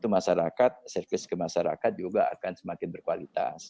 masyarakat service ke masyarakat juga akan semakin berkualitas